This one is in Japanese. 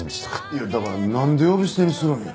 いやだからなんで呼び捨てにするんや？